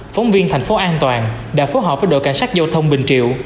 phóng viên thành phố an toàn đã phối hợp với đội cảnh sát giao thông bình triệu